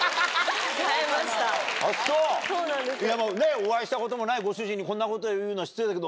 お会いしたこともないご主人にこんなこと言うの失礼だけど。